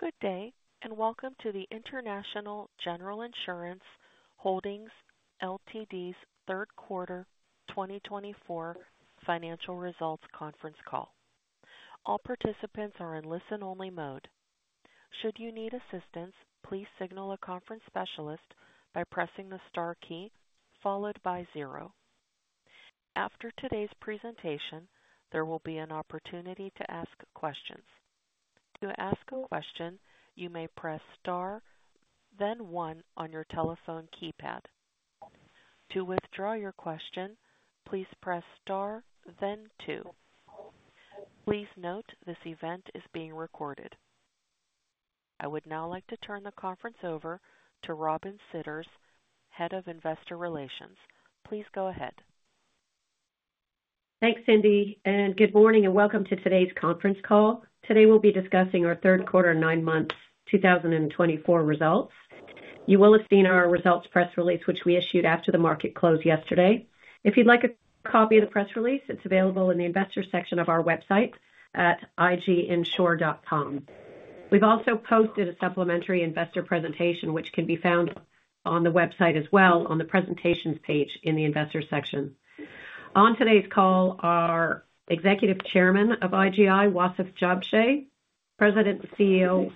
Good day, and welcome to the International General Insurance Holdings Ltd.'s third quarter 2024 financial results conference call. All participants are in listen-only mode. Should you need assistance, please signal a conference specialist by pressing the star key followed by zero. After today's presentation, there will be an opportunity to ask questions. To ask a question, you may press star, then one on your telephone keypad. To withdraw your question, please press star, then two. Please note this event is being recorded. I would now like to turn the conference over to Robin Sidders, Head of Investor Relations. Please go ahead. Thanks, Cindy, and good morning and welcome to today's conference call. Today we'll be discussing our third quarter nine months 2024 results. You will have seen our results press release, which we issued after the market closed yesterday. If you'd like a copy of the press release, it's available in the investor section of our website at iginsure.com. We've also posted a supplementary investor presentation, which can be found on the website as well on the presentations page in the investor section. On today's call are Executive Chairman of IGI, Wasef Jabsheh, President and CEO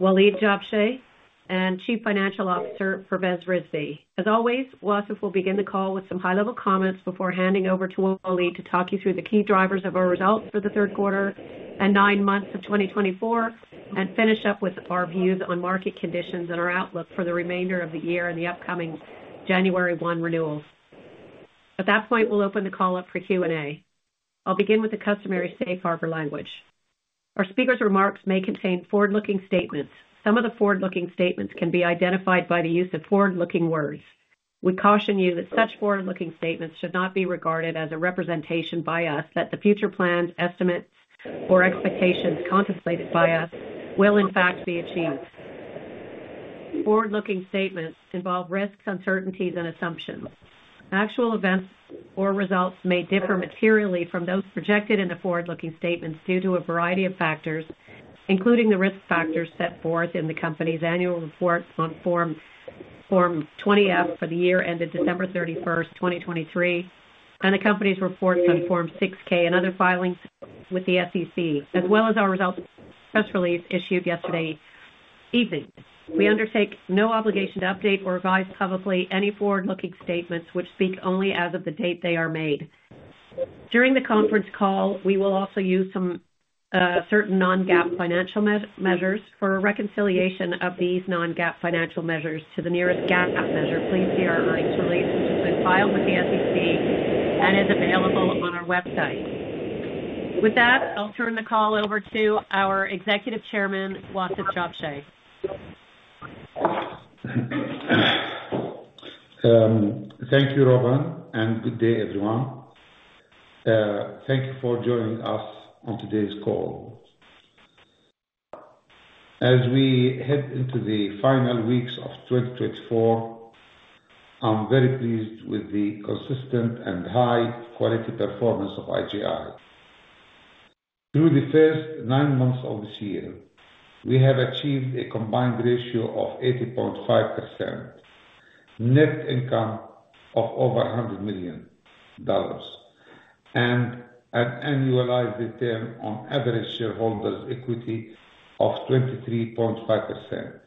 Waleed Jabsheh, and Chief Financial Officer, Pervez Rizvi. As always, Wasef will begin the call with some high-level comments before handing over to Waleed to talk you through the key drivers of our results for the third quarter and nine months of 2024, and finish up with our views on market conditions and our outlook for the remainder of the year and the upcoming January 1 renewals. At that point, we'll open the call up for Q&A. I'll begin with the customary safe harbor language. Our speakers' remarks may contain forward-looking statements. Some of the forward-looking statements can be identified by the use of forward-looking words. We caution you that such forward-looking statements should not be regarded as a representation by us that the future plans, estimates, or expectations contemplated by us will, in fact, be achieved. Forward-looking statements involve risks, uncertainties, and assumptions. Actual events or results may differ materially from those projected in the forward-looking statements due to a variety of factors, including the risk factors set forth in the company's annual report on Form 20-F for the year ended December 31st, 2023, and the company's reports on Form 6-K and other filings with the SEC, as well as our results press release issued yesterday evening. We undertake no obligation to update or advise publicly any forward-looking statements which speak only as of the date they are made. During the conference call, we will also use some certain non-GAAP financial measures for reconciliation of these non-GAAP financial measures to the nearest GAAP measure. Please see our earnings release, which has been filed with the SEC and is available on our website. With that, I'll turn the call over to our Executive Chairman, Wasef Jabsheh. Thank you, Robin, and good day, everyone. Thank you for joining us on today's call. As we head into the final weeks of 2024, I'm very pleased with the consistent and high-quality performance of IGI. Through the first nine months of this year, we have achieved a combined ratio of 80.5%, net income of over $100 million, and an annualized return on average shareholders' equity of 23.5%.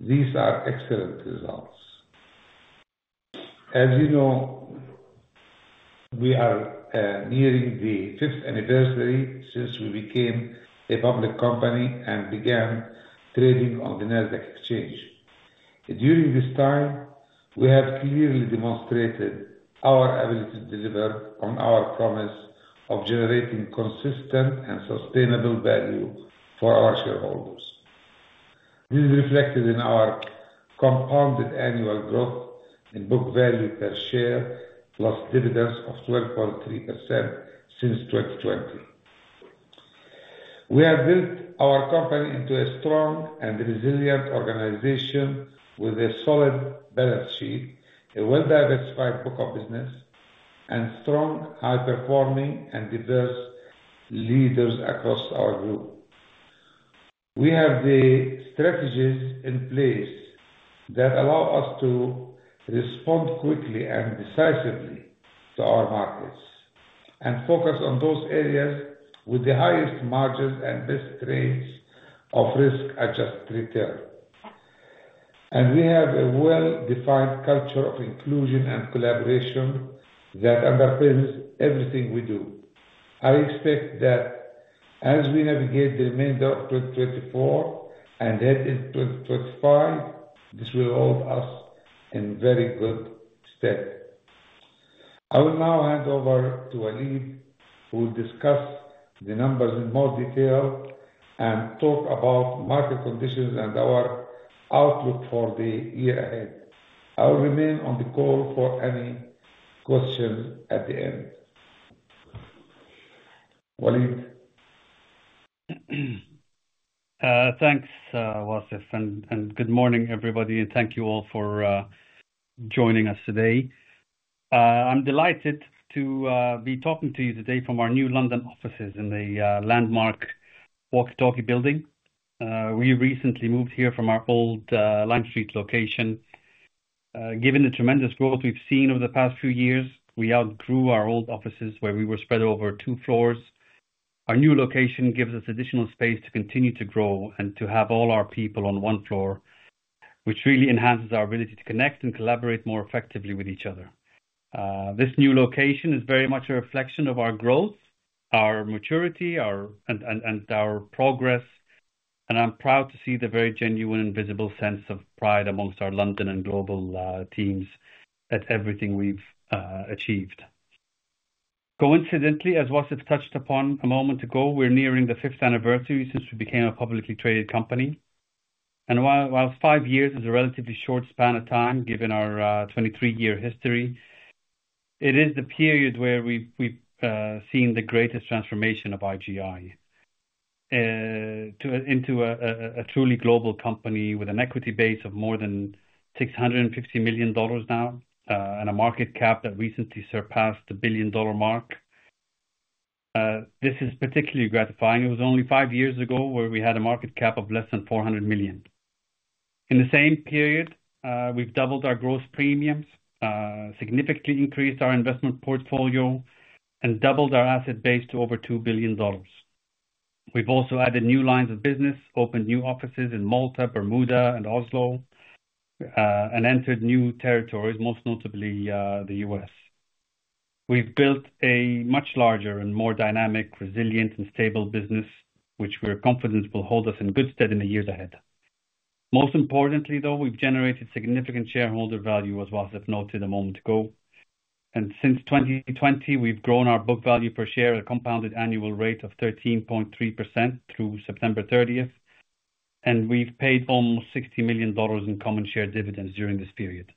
These are excellent results. As you know, we are nearing the fifth anniversary since we became a public company and began trading on the Nasdaq exchange. During this time, we have clearly demonstrated our ability to deliver on our promise of generating consistent and sustainable value for our shareholders. This is reflected in our compounded annual growth in book value per share plus dividends of 12.3% since 2020. We have built our company into a strong and resilient organization with a solid balance sheet, a well-diversified book of business, and strong, high-performing, and diverse leaders across our group. We have the strategies in place that allow us to respond quickly and decisively to our markets and focus on those areas with the highest margins and best rates of risk-adjusted return. And we have a well-defined culture of inclusion and collaboration that underpins everything we do. I expect that as we navigate the remainder of 2024 and head into 2025, this will hold us in very good stead. I will now hand over to Waleed, who will discuss the numbers in more detail and talk about market conditions and our outlook for the year ahead. I'll remain on the call for any questions at the end. Waleed. Thanks, Wasef, and good morning, everybody and thank you all for joining us today. I'm delighted to be talking to you today from our new London offices in the landmark Walkie-Talkie building. We recently moved here from our old Lime Street location. Given the tremendous growth we've seen over the past few years, we outgrew our old offices where we were spread over two floors. Our new location gives us additional space to continue to grow and to have all our people on one floor, which really enhances our ability to connect and collaborate more effectively with each other. This new location is very much a reflection of our growth, our maturity, and our progress, and I'm proud to see the very genuine and visible sense of pride among our London and global teams at everything we've achieved. Coincidentally, as Wasef touched upon a moment ago, we're nearing the fifth anniversary since we became a publicly traded company. And while five years is a relatively short span of time given our 23-year history, it is the period where we've seen the greatest transformation of IGI into a truly global company with an equity base of more than $650 million now and a market cap that recently surpassed the billion-dollar mark. This is particularly gratifying. It was only five years ago where we had a market cap of less than $400 million. In the same period, we've doubled our gross premiums, significantly increased our investment portfolio, and doubled our asset base to over $2 billion. We've also added new lines of business, opened new offices in Malta, Bermuda, and Oslo, and entered new territories, most notably the U.S. We've built a much larger and more dynamic, resilient, and stable business, which we're confident will hold us in good stead in the years ahead. Most importantly, though, we've generated significant shareholder value, as Wasef noted a moment ago, and since 2020, we've grown our book value per share at a compounded annual rate of 13.3% through September 30th, and we've paid almost $60 million in common share dividends during this period.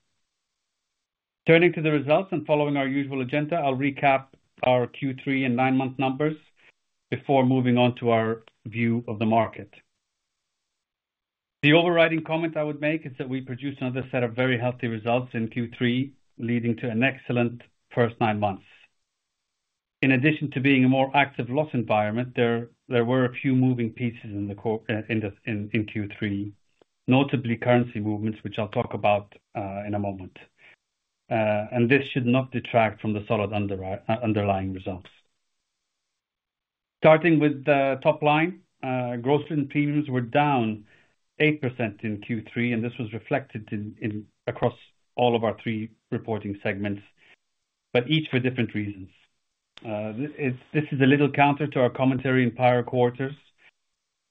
Turning to the results and following our usual agenda, I'll recap our Q3 and nine-month numbers before moving on to our view of the market. The overriding comment I would make is that we produced another set of very healthy results in Q3, leading to an excellent first nine months. In addition to being a more active loss environment, there were a few moving pieces in Q3, notably currency movements, which I'll talk about in a moment. This should not detract from the solid underlying results. Starting with the top line, gross premiums were down 8% in Q3, and this was reflected across all of our three reporting segments, but each for different reasons. This is a little counter to our commentary in prior quarters,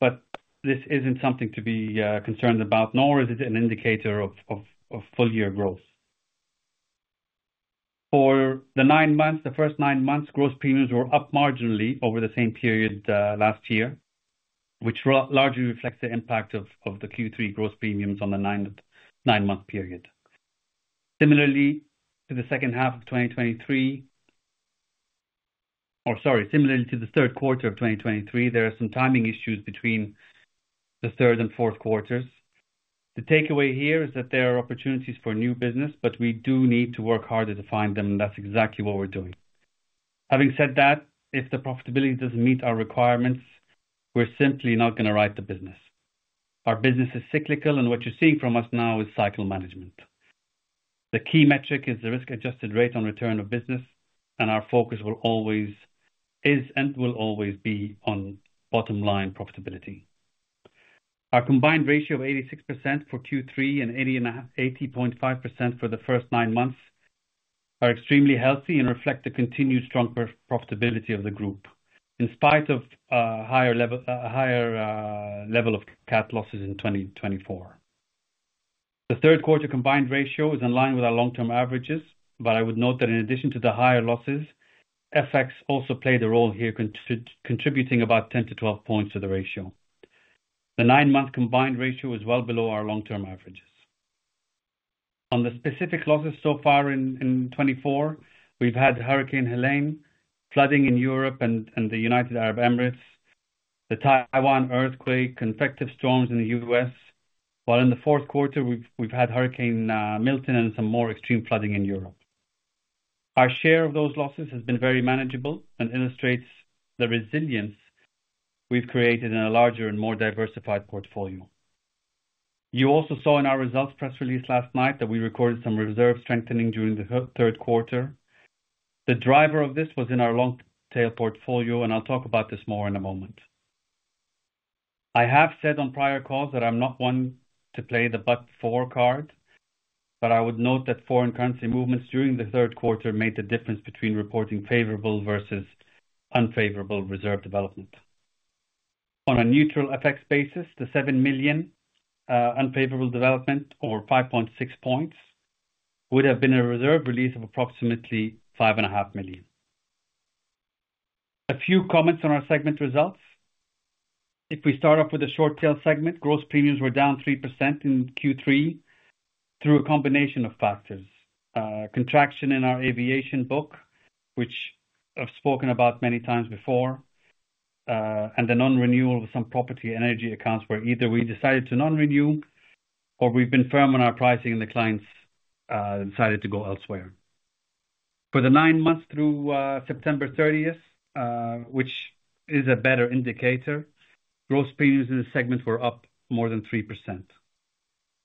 but this isn't something to be concerned about, nor is it an indicator of full-year growth. For the nine months, the first nine months, gross premiums were up marginally over the same period last year, which largely reflects the impact of the Q3 gross premiums on the nine-month period. Similarly to the second half of 2023, or sorry, similarly to the third quarter of 2023, there are some timing issues between the third and fourth quarters. The takeaway here is that there are opportunities for new business, but we do need to work harder to find them, and that's exactly what we're doing. Having said that, if the profitability doesn't meet our requirements, we're simply not going to write the business. Our business is cyclical, and what you're seeing from us now is cycle management. The key metric is the risk-adjusted rate of return of business, and our focus always is and will always be on bottom-line profitability. Our combined ratio of 86% for Q3 and 80.5% for the first nine months are extremely healthy and reflect the continued strong profitability of the group in spite of a higher level of CAT losses in 2024. The third quarter combined ratio is in line with our long-term averages, but I would note that in addition to the higher losses, FX also played a role here, contributing about 10 to 12 points to the ratio. The nine-month combined ratio is well below our long-term averages. On the specific losses so far in 2024, we've had Hurricane Helene, flooding in Europe and the United Arab Emirates, the Taiwan earthquake, convective storms in the U.S., while in the fourth quarter, we've had Hurricane Milton and some more extreme flooding in Europe. Our share of those losses has been very manageable and illustrates the resilience we've created in a larger and more diversified portfolio. You also saw in our results press release last night that we recorded some reserve strengthening during the third quarter. The driver of this was in our long-tail portfolio, and I'll talk about this more in a moment. I have said on prior calls that I'm not one to play the but-for card, but I would note that foreign currency movements during the third quarter made the difference between reporting favorable versus unfavorable reserve development. On a neutral FX basis, the $7 million unfavorable development, or 5.6 points, would have been a reserve release of approximately $5.5 million. A few comments on our segment results. If we start off with a short-tail segment, gross premiums were down 3% in Q3 through a combination of factors: contraction in our aviation book, which I've spoken about many times before, and the non-renewal with some property energy accounts where either we decided to non-renew or we've been firm on our pricing and the clients decided to go elsewhere. For the nine months through September 30th, which is a better indicator, gross premiums in the segments were up more than 3%.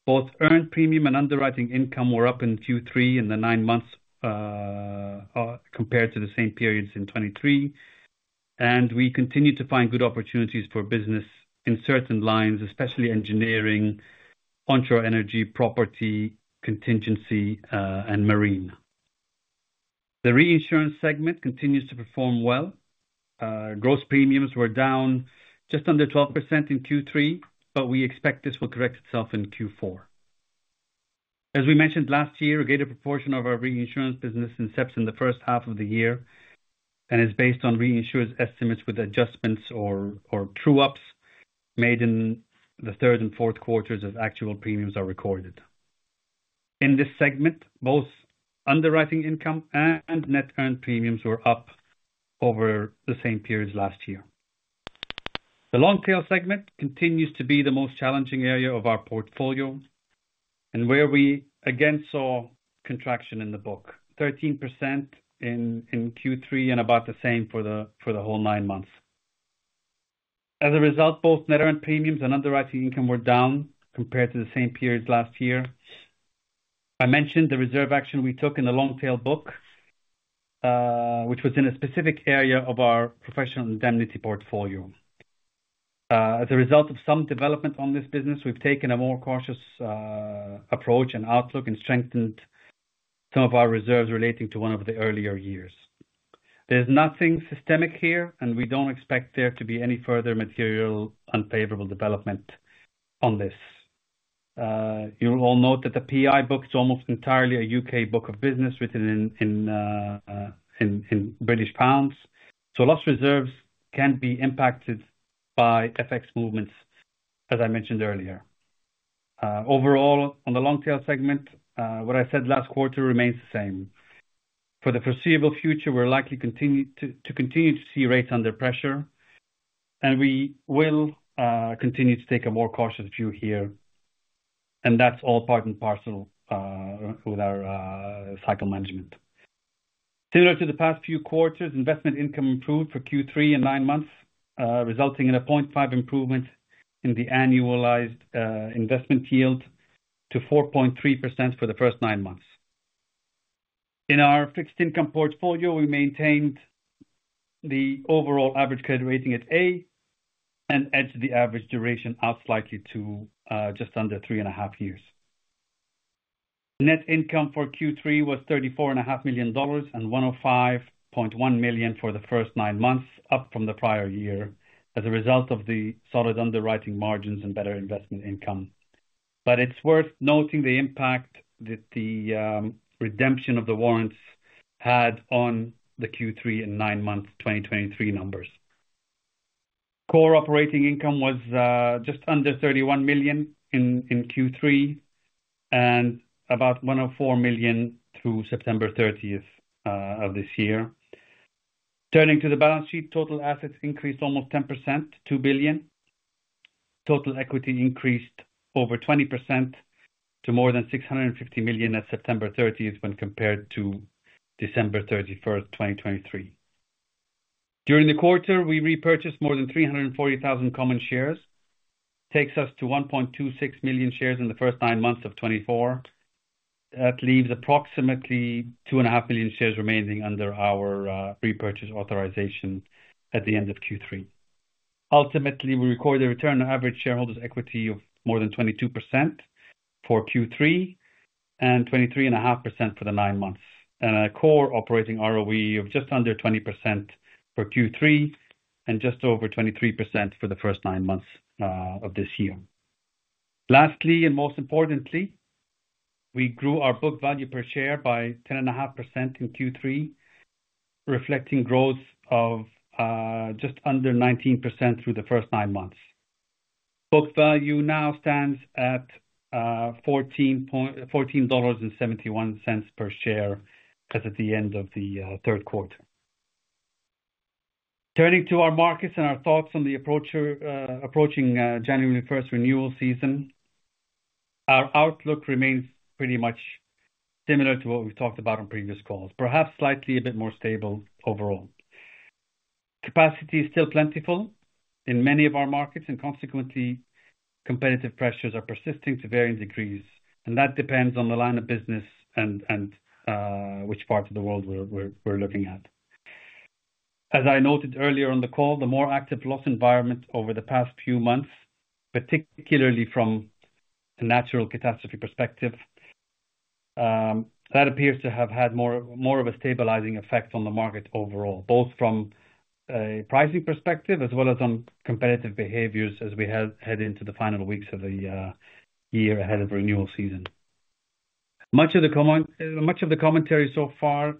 Both earned premium and underwriting income were up in Q3 in the nine months compared to the same periods in 2023, and we continue to find good opportunities for business in certain lines, especially engineering, onshore energy, property, contingency, and marine. The reinsurance segment continues to perform well. Gross premiums were down just under 12% in Q3, but we expect this will correct itself in Q4. As we mentioned last year, a greater proportion of our reinsurance business incepts in the first half of the year and is based on reinsurance estimates with adjustments or true-ups made in the third and fourth quarters as actual premiums are recorded. In this segment, both underwriting income and net earned premiums were up over the same periods last year. The Long-tail segment continues to be the most challenging area of our portfolio and where we again saw contraction in the book, 13% in Q3 and about the same for the whole nine months. As a result, both net earned premiums and underwriting income were down compared to the same periods last year. I mentioned the reserve action we took in the Long-tail book, which was in a specific area of our professional indemnity portfolio. As a result of some development on this business, we've taken a more cautious approach and outlook and strengthened some of our reserves relating to one of the earlier years. There's nothing systemic here, and we don't expect there to be any further material unfavorable development on this. You'll all note that the PI book is almost entirely a U.K. book of business written in British pounds, so loss reserves can be impacted by FX movements, as I mentioned earlier. Overall, on the Long-tail segment, what I said last quarter remains the same. For the foreseeable future, we're likely to continue to see rates under pressure, and we will continue to take a more cautious view here, and that's all part and parcel with our cycle management. Similar to the past few quarters, investment income improved for Q3 and nine months, resulting in a 0.5 improvement in the annualized investment yield to 4.3% for the first nine months. In our fixed income portfolio, we maintained the overall average credit rating at A and edged the average duration out slightly to just under three and a half years. Net income for Q3 was $34.5 million and $105.1 million for the first nine months, up from the prior year as a result of the solid underwriting margins and better investment income. But it's worth noting the impact that the redemption of the warrants had on the Q3 and nine-month 2023 numbers. Core operating income was just under $31 million in Q3 and about $104 million through September 30th of this year. Turning to the balance sheet, total assets increased almost 10% to $2 billion. Total equity increased over 20% to more than $650 million at September 30th when compared to December 31st, 2023. During the quarter, we repurchased more than 340,000 common shares, takes us to 1.26 million shares in the first nine months of 2024. That leaves approximately 2.5 million shares remaining under our repurchase authorization at the end of Q3. Ultimately, we recorded a return on average shareholders' equity of more than 22% for Q3 and 23.5% for the nine months, and a core operating ROE of just under 20% for Q3 and just over 23% for the first nine months of this year. Lastly, and most importantly, we grew our book value per share by 10.5% in Q3, reflecting growth of just under 19% through the first nine months. Book value now stands at $14.71 per share as at the end of the third quarter. Turning to our markets and our thoughts on the approaching January 1st renewal season, our outlook remains pretty much similar to what we've talked about on previous calls, perhaps slightly a bit more stable overall. Capacity is still plentiful in many of our markets, and consequently, competitive pressures are persisting to varying degrees, and that depends on the line of business and which parts of the world we're looking at. As I noted earlier on the call, the more active loss environment over the past few months, particularly from a natural catastrophe perspective, that appears to have had more of a stabilizing effect on the market overall, both from a pricing perspective as well as on competitive behaviors as we head into the final weeks of the year ahead of renewal season. Much of the commentary so far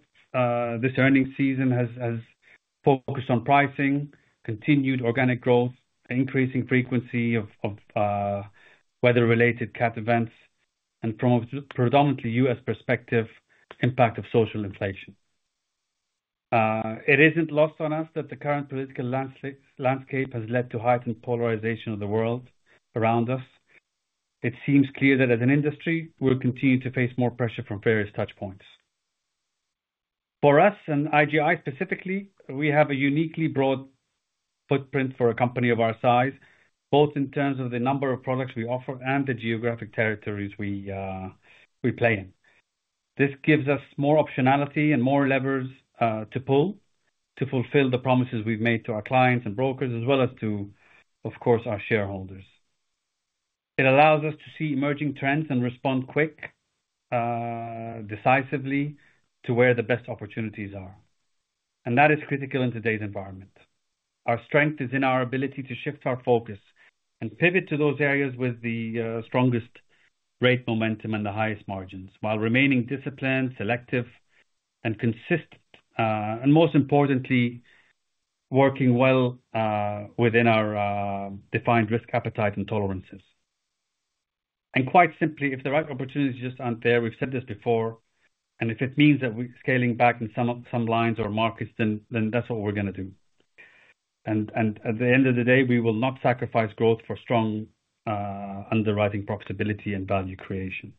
this earnings season has focused on pricing, continued organic growth, increasing frequency of weather-related CAT events, and from a predominantly U.S. perspective, impact of social inflation. It isn't lost on us that the current political landscape has led to heightened polarization of the world around us. It seems clear that as an industry, we'll continue to face more pressure from various touchpoints. For us and IGI specifically, we have a uniquely broad footprint for a company of our size, both in terms of the number of products we offer and the geographic territories we play in. This gives us more optionality and more levers to pull to fulfill the promises we've made to our clients and brokers, as well as to, of course, our shareholders. It allows us to see emerging trends and respond quick, decisively to where the best opportunities are. That is critical in today's environment. Our strength is in our ability to shift our focus and pivot to those areas with the strongest rate momentum and the highest margins, while remaining disciplined, selective, and consistent, and most importantly, working well within our defined risk appetite and tolerances. And quite simply, if the right opportunities just aren't there, we've said this before, and if it means that we're scaling back in some lines or markets, then that's what we're going to do. And at the end of the day, we will not sacrifice growth for strong underwriting profitability and value creation.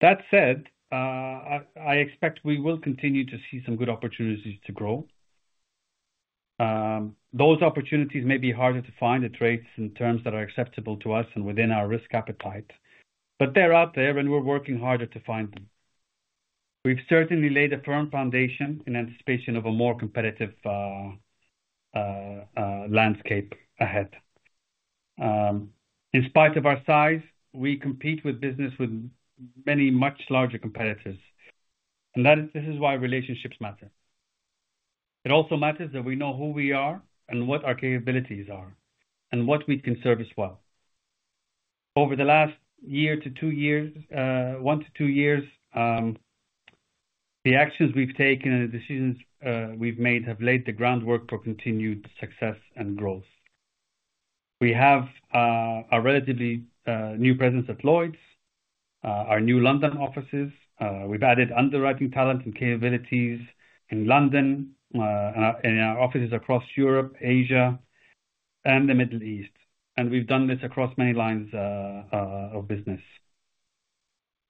That said, I expect we will continue to see some good opportunities to grow. Those opportunities may be harder to find at rates and terms that are acceptable to us and within our risk appetite, but they're out there, and we're working harder to find them. We've certainly laid a firm foundation in anticipation of a more competitive landscape ahead. In spite of our size, we compete with businesses from many much larger competitors, and this is why relationships matter. It also matters that we know who we are and what our capabilities are and what we can service well. Over the last year to two years, one to two years, the actions we've taken and the decisions we've made have laid the groundwork for continued success and growth. We have a relatively new presence at Lloyd's, our new London offices. We've added underwriting talent and capabilities in London and in our offices across Europe, Asia, and the Middle East, and we've done this across many lines of business.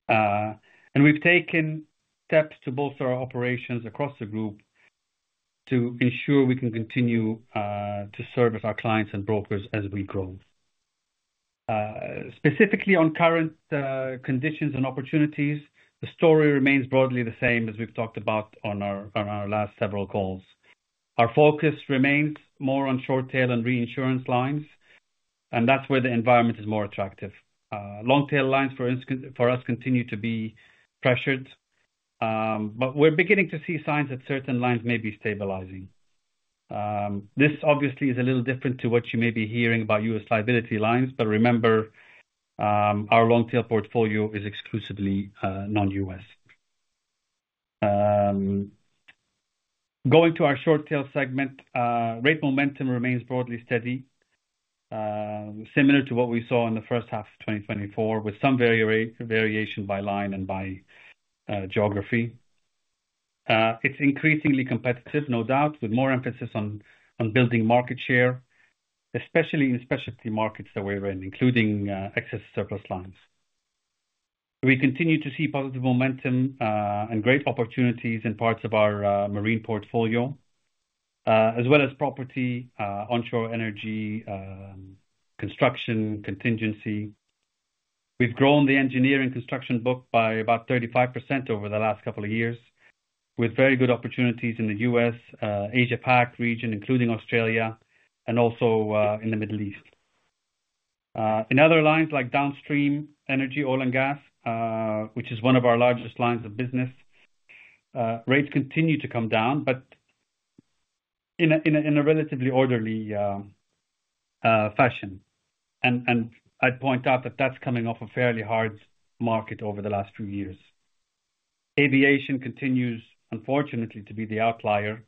And we've taken steps to bolster our operations across the group to ensure we can continue to service our clients and brokers as we grow. Specifically on current conditions and opportunities, the story remains broadly the same as we've talked about on our last several calls. Our focus remains more on Short-tail and Reinsurance lines, and that's where the environment is more attractive. Long-tail lines, for us, continue to be pressured, but we're beginning to see signs that certain lines may be stabilizing. This, obviously, is a little different to what you may be hearing about U.S. liability lines, but remember, our long-tail portfolio is exclusively non-U.S. Going to our Short-tail segment, rate momentum remains broadly steady, similar to what we saw in the first half of 2024, with some variation by line and by geography. It's increasingly competitive, no doubt, with more emphasis on building market share, especially in specialty markets that we're in, including excess surplus lines. We continue to see positive momentum and great opportunities in parts of our marine portfolio, as well as property, onshore energy, construction, contingency. We've grown the engineering construction book by about 35% over the last couple of years, with very good opportunities in the U.S., Asia-Pac region, including Australia, and also in the Middle East. In other lines like downstream energy, oil and gas, which is one of our largest lines of business, rates continue to come down, but in a relatively orderly fashion, and I'd point out that that's coming off a fairly hard market over the last few years. Aviation continues, unfortunately, to be the outlier,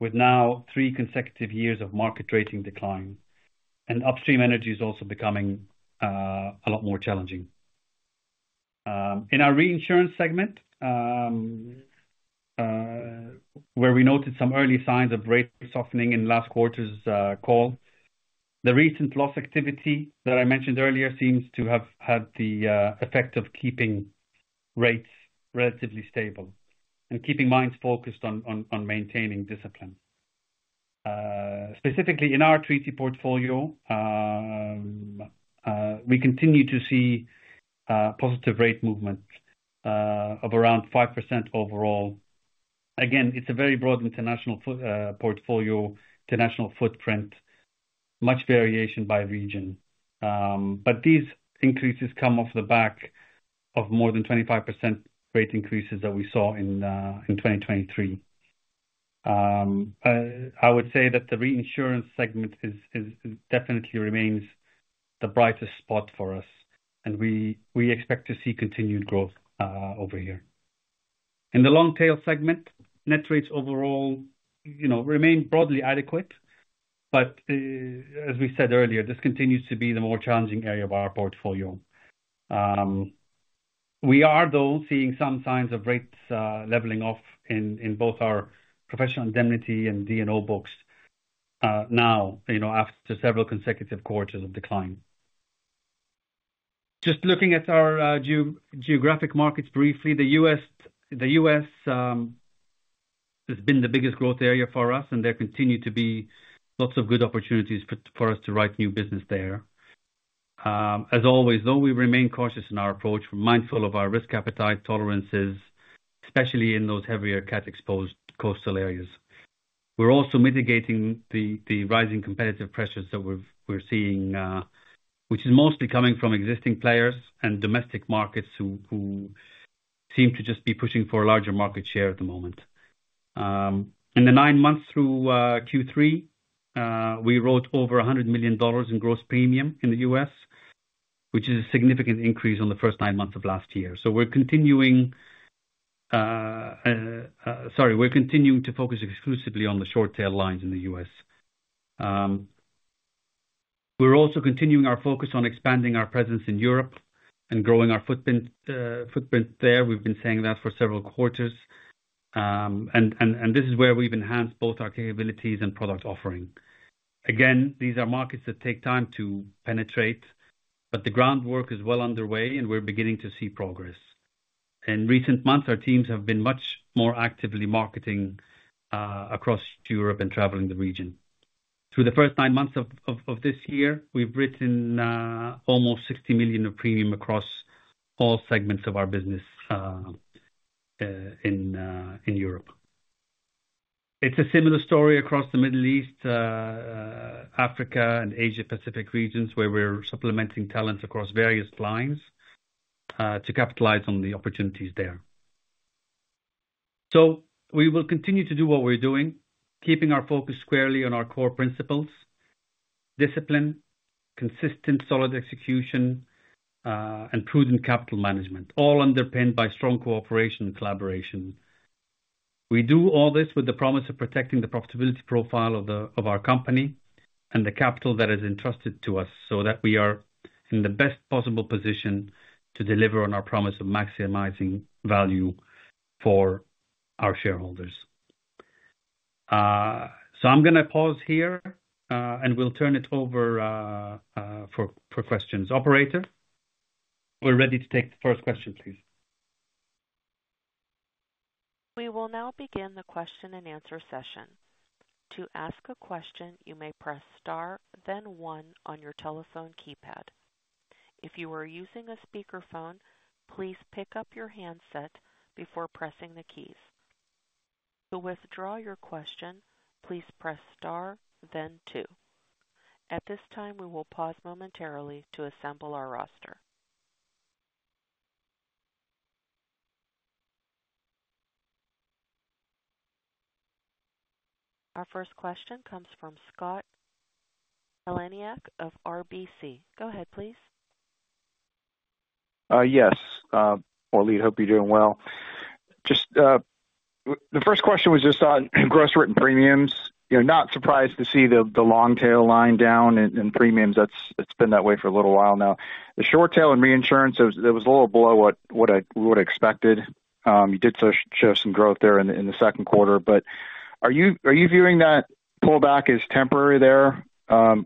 with now three consecutive years of market rating decline, and upstream energy is also becoming a lot more challenging. In our Reinsurance segment, where we noted some early signs of rate softening in last quarter's call, the recent loss activity that I mentioned earlier seems to have had the effect of keeping rates relatively stable and keeping minds focused on maintaining discipline. Specifically, in our treaty portfolio, we continue to see positive rate movement of around 5% overall. Again, it's a very broad international portfolio, international footprint, much variation by region. But these increases come off the back of more than 25% rate increases that we saw in 2023. I would say that the Reinsurance segment definitely remains the brightest spot for us, and we expect to see continued growth over here. In the Long-tail segment, net rates overall remain broadly adequate, but as we said earlier, this continues to be the more challenging area of our portfolio. We are, though, seeing some signs of rates leveling off in both our professional indemnity and D&O books now, after several consecutive quarters of decline. Just looking at our geographic markets briefly, the U.S. has been the biggest growth area for us, and there continue to be lots of good opportunities for us to write new business there. As always, though, we remain cautious in our approach, mindful of our risk appetite tolerances, especially in those heavier CAT-exposed coastal areas. We're also mitigating the rising competitive pressures that we're seeing, which is mostly coming from existing players and domestic markets who seem to just be pushing for a larger market share at the moment. In the nine months through Q3, we wrote over $100 million in gross premium in the U.S., which is a significant increase on the first nine months of last year. So we're continuing, sorry, we're continuing to focus exclusively on the short-tail lines in the U.S. We're also continuing our focus on expanding our presence in Europe and growing our footprint there. We've been saying that for several quarters, and this is where we've enhanced both our capabilities and product offering. Again, these are markets that take time to penetrate, but the groundwork is well underway, and we're beginning to see progress. In recent months, our teams have been much more actively marketing across Europe and traveling the region. Through the first nine months of this year, we've written almost $60 million of premium across all segments of our business in Europe. It's a similar story across the Middle East, Africa, and Asia-Pacific regions, where we're supplementing talent across various lines to capitalize on the opportunities there. So we will continue to do what we're doing, keeping our focus squarely on our core principles: discipline, consistent, solid execution, and prudent capital management, all underpinned by strong cooperation and collaboration. We do all this with the promise of protecting the profitability profile of our company and the capital that is entrusted to us so that we are in the best possible position to deliver on our promise of maximizing value for our shareholders. So I'm going to pause here, and we'll turn it over for questions. Operator, we're ready to take the first question, please. We will now begin the question-and-answer session. To ask a question, you may press Star, then 1 on your telephone keypad. If you are using a speakerphone, please pick up your handset before pressing the keys. To withdraw your question, please press Star, then 2. At this time, we will pause momentarily to assemble our roster. Our first question comes from Scott Heleniak of RBC. Go ahead, please. Yes. Waleed, hope you're doing well. Just the first question was just on gross written premiums. Not surprised to see the Long-tail line down in premiums. It's been that way for a little while now. The Short-tail and Reinsurance, it was a little below what I expected. You did show some growth there in the second quarter, but are you viewing that pullback as temporary there?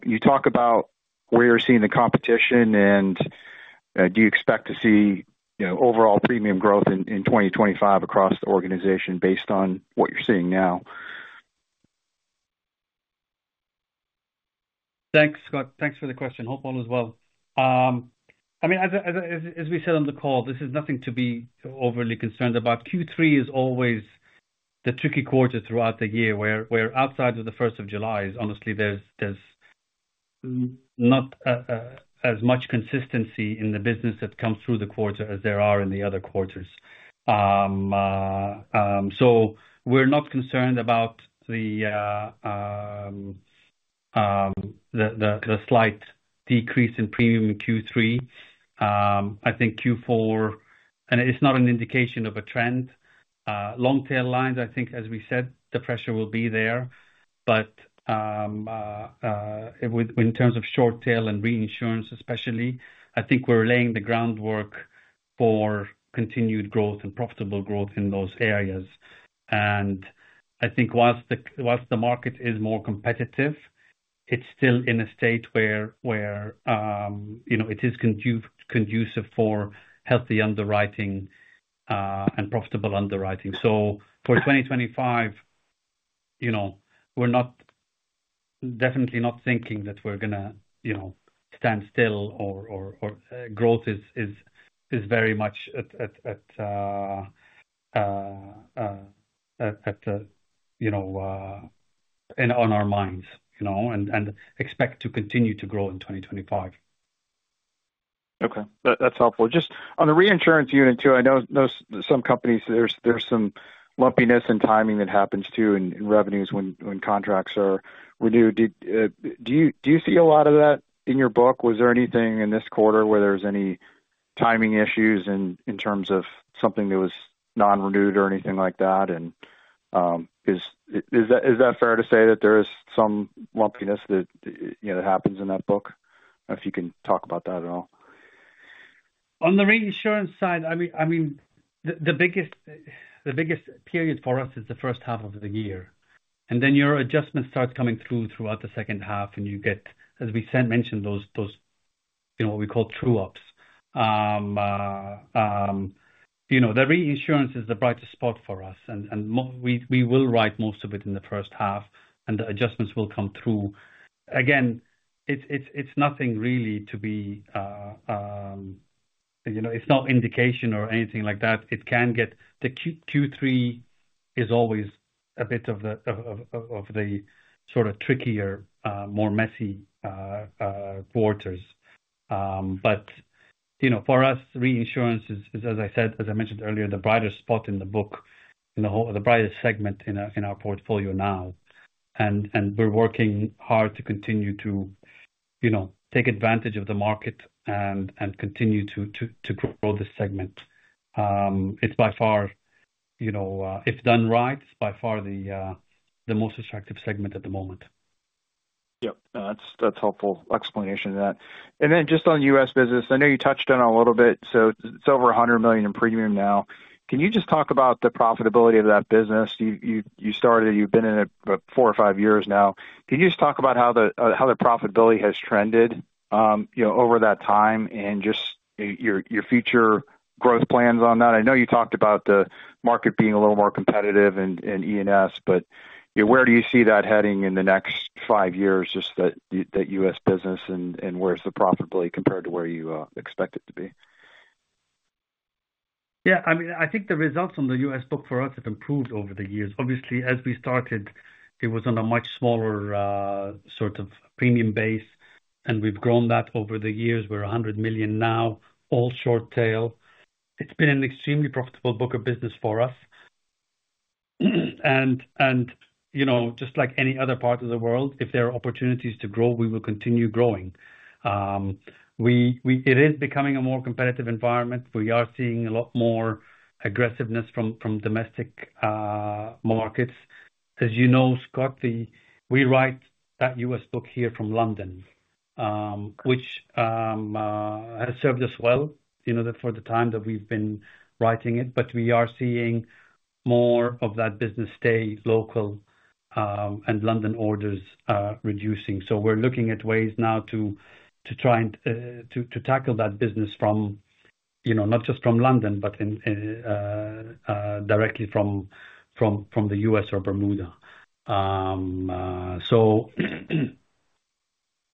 You talk about where you're seeing the competition, and do you expect to see overall premium growth in 2025 across the organization based on what you're seeing now? Thanks, Scott. Thanks for the question. Hope all is well. I mean, as we said on the call, this is nothing to be overly concerned about. Q3 is always the tricky quarter throughout the year where, outside of the 1st of July, honestly, there's not as much consistency in the business that comes through the quarter as there are in the other quarters. So we're not concerned about the slight decrease in premium in Q3. I think Q4, and it's not an indication of a trend. Long-tail lines, I think, as we said, the pressure will be there. But in terms of Short-tail and Reinsurance, especially, I think we're laying the groundwork for continued growth and profitable growth in those areas. And I think once the market is more competitive, it's still in a state where it is conducive for healthy underwriting and profitable underwriting. So for 2025, we're definitely not thinking that we're going to stand still or growth is very much on our minds and expect to continue to grow in 2025. Okay. That's helpful. Just on the Reinsurance unit too, I know some companies, there's some lumpiness in timing that happens too in revenues when contracts are renewed. Do you see a lot of that in your book? Was there anything in this quarter where there were any timing issues in terms of something that was non-renewed or anything like that? And is that fair to say that there is some lumpiness that happens in that book? If you can talk about that at all. On the Reinsurance side, I mean, the biggest period for us is the first half of the year. And then our adjustment starts coming through throughout the second half, and you get, as we mentioned, those what we call true-ups. The Reinsurance is the brightest spot for us, and we will write most of it in the first half, and the adjustments will come through. Again, it's nothing really to be. It's not an indication or anything like that. It can get. The Q3 is always a bit of the sort of trickier, more messy quarters. But for us, reinsurance is, as I said, as I mentioned earlier, the brighter spot in the book, the brightest segment in our portfolio now. And we're working hard to continue to take advantage of the market and continue to grow this segment. It's by far, if done right, it's by far the most attractive segment at the moment. Yep. That's helpful explanation of that. And then just on U.S. business, I know you touched on it a little bit. So it's over $100 million in premium now. Can you just talk about the profitability of that business? You started, you've been in it about four or five years now. Can you just talk about how the profitability has trended over that time and just your future growth plans on that? I know you talked about the market being a little more competitive in E&S, but where do you see that heading in the next five years, just that U.S. business, and where's the profitability compared to where you expect it to be? Yeah. I mean, I think the results on the U.S. book for us have improved over the years. Obviously, as we started, it was on a much smaller sort of premium base, and we've grown that over the years. We're $100 million now, all Short-tail. It's been an extremely profitable book of business for us. And just like any other part of the world, if there are opportunities to grow, we will continue growing. It is becoming a more competitive environment. We are seeing a lot more aggressiveness from domestic markets. As you know, Scott, we write that U.S. book here from London, which has served us well for the time that we've been writing it. But we are seeing more of that business stay local and London orders reducing. So we're looking at ways now to try and tackle that business from not just London, but directly from the U.S. or Bermuda. So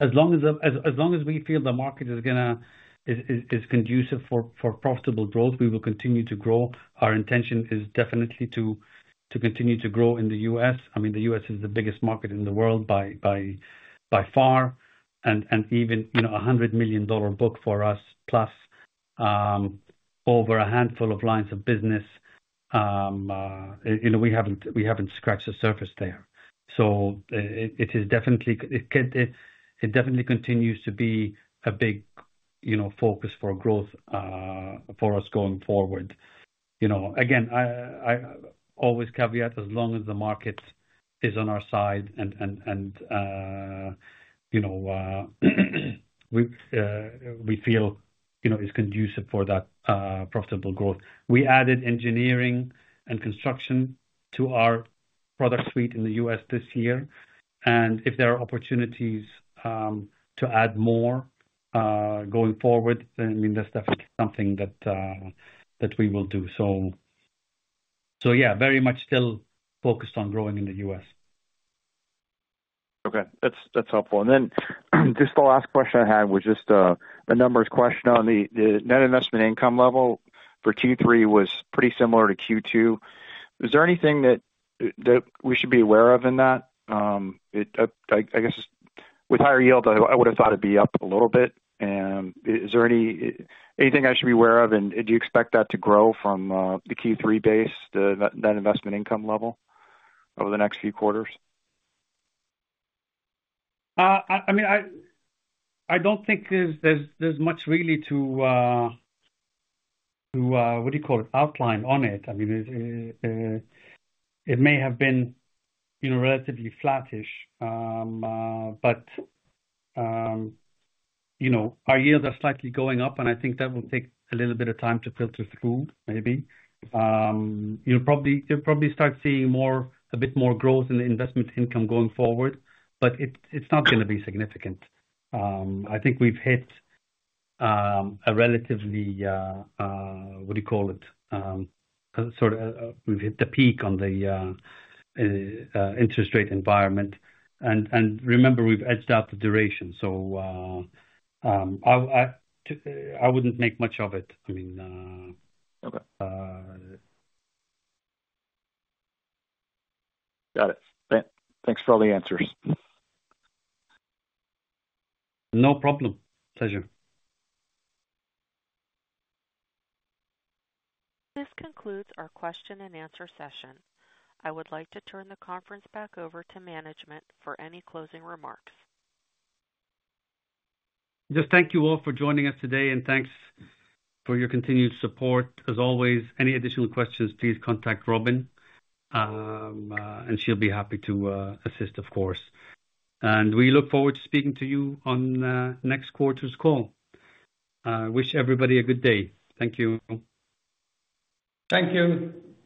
as long as we feel the market is conducive for profitable growth, we will continue to grow. Our intention is definitely to continue to grow in the U.S. I mean, the U.S. is the biggest market in the world by far. And even a $100 million book for us, plus over a handful of lines of business, we haven't scratched the surface there. So it definitely continues to be a big focus for growth for us going forward. Again, I always caveat, as long as the market is on our side and we feel it's conducive for that profitable growth. We added engineering and construction to our product suite in the U.S. this year, and if there are opportunities to add more going forward, I mean, that's definitely something that we will do, so yeah, very much still focused on growing in the U.S. Okay. That's helpful, and then just the last question I had was just a numbers question on the net investment income level for Q3 was pretty similar to Q2. Is there anything that we should be aware of in that? I guess with higher yield, I would have thought it'd be up a little bit, and is there anything I should be aware of? And do you expect that to grow from the Q3 base, the net investment income level over the next few quarters? I mean, I don't think there's much really to - what do you call it? - outline on it. I mean, it may have been relatively flattish, but our yields are slightly going up, and I think that will take a little bit of time to filter through, maybe. You'll probably start seeing a bit more growth in investment income going forward, but it's not going to be significant. I think we've hit a relatively - what do you call it? - sort of we've hit the peak on the interest rate environment. And remember, we've edged out the duration. So I wouldn't make much of it. I mean. Okay. Got it. Thanks for all the answers. No problem. Pleasure. This concludes our question-and-answer session. I would like to turn the conference back over to management for any closing remarks. Just thank you all for joining us today, and thanks for your continued support. As always, any additional questions, please contact Robin, and she'll be happy to assist, of course. We look forward to speaking to you on next quarter's call. Wish everybody a good day. Thank you. Thank you.